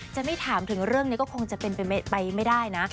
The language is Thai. จะไม่ถามถึงเรื่องนี้ก็คงจะเป็นไปไม่ได้นะ